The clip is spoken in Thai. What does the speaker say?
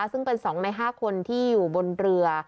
ซึ่งเป็น๒ใน๕คนที่อยู่บนเรือ